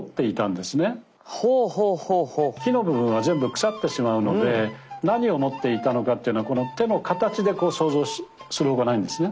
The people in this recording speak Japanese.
木の部分は全部腐ってしまうので何を持っていたのかっていうのはこの手の形で想像する他ないんですね。